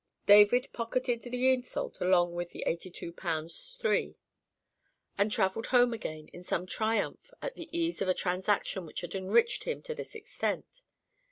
David pocketed the insult along with the eighty two pounds three, and travelled home again in some triumph at the ease of a transaction which had enriched him to this extent.